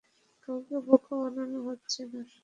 কাউকে বোকা বানানো হচ্ছে না।